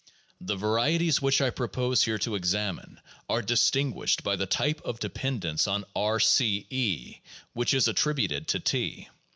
The varieties which I propose here to examine are distin guished by the type of dependence on B C (E) which is attributed to T.